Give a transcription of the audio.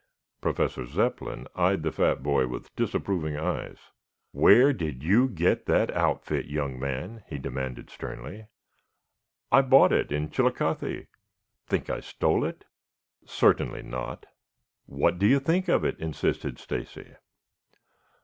Professor Zepplin eyed the fat boy with disapproving eyes. "Where did you get that outfit, young man?" he demanded sternly. "I bought it in Chillicothe. Think I stole it?" "Certainly not." "What do you think of it?" insisted Stacy.